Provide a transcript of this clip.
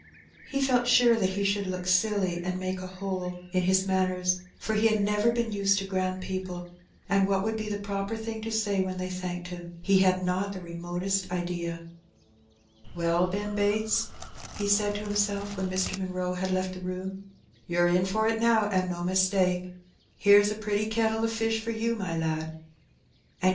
He felt sore that he should look silly and make a hole in his manners, for he had never been used to grand people; and what would be the proper thing to say when they thanked him he had not the remotest idea. ^'Well, Ben Bates," he said to himself when Mr. Munroe had left the room, ^'you're in for it now, and no mistake. Here's a pretty kettle of fish for you, my lad, and you've *'ZOD'l>I BtriT. t'H »)■■ tOV XI i;'i is; I l/i;A!